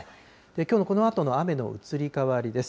きょうのこのあとの雨の移り変わりです。